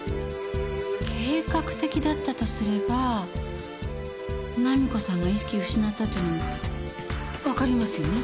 計画的だったとすれば菜実子さんが意識を失ったっていうのもわかりますよね。